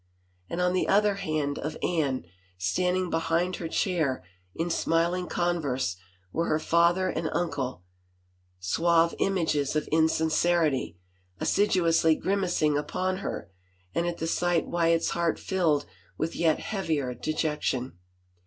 And on the other hand of Anne, stand ing behind her chair in smiling converse, were her father and uncle, suave images of insincerity, assiduously grimacing upon her, and at the sight Wyatt's heart filled with yet heavier dejection.